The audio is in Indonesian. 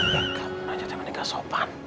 ya kamu aja temennya gak sopan